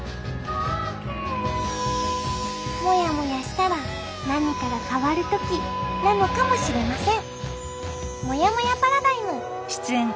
もやもやしたら何かが変わる時なのかもしれません。